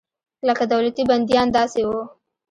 لکه دولتي بندیان داسې وو.